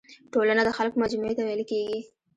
ټولنه د خلکو مجموعي ته ويل کيږي.